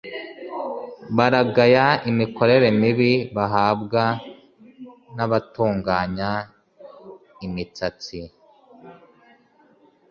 baragaya imikorere mibi bahabwa n’abatunganya imitsatsi